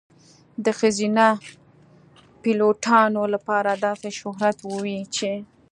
د ښځینه پیلوټانو لپاره داسې شهرت وي چې .